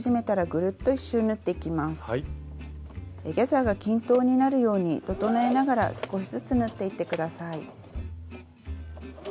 ギャザーが均等になるように整えながら少しずつ縫っていって下さい。